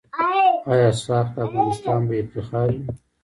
آیا "ساخت افغانستان" به افتخار وي؟